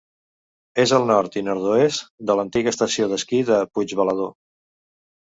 És al nord i nord-oest de l'antiga estació d'esquí de Puigbalador.